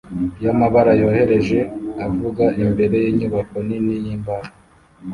yamabara yoroheje avuga imbere yinyubako nini yimbaho